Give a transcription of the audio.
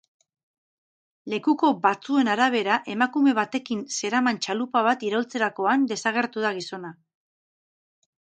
Lekuko batzuen arabera, emakume batekin zeraman txalupa bat iraultzerakoan desagertu da gizona.